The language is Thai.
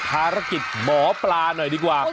ภารกิจหมอปลาหน่อยดีกว่า